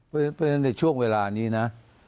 เพราะฉะนั้นในช่วงเวลานี้นะ